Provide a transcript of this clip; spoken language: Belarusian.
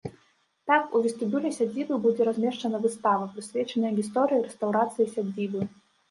Так, у вестыбюлі сядзібы будзе размешчана выстава, прысвечаная гісторыі рэстаўрацыі сядзібы.